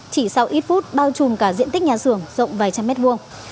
chỉ sau ít phút bao trùm cả diện tích nhà xưởng rộng vài trăm mét vuông